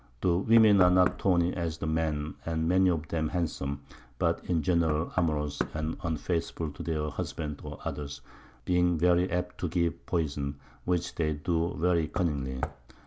The Women are not so tawny as the Men, and many of them handsom, but in general amorous, and unfaithful to their Husbands or others, being very apt to give Poison, which they do very cunningly.